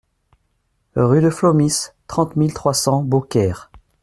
Rue du Phlomis, trente mille trois cents Beaucaire